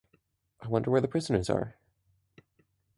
I wonder where the prisoners are?